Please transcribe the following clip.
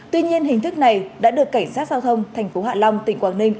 tuy nhiên hình thức này đã được cảnh sát giao thông thành phố hạ long tỉnh quảng ninh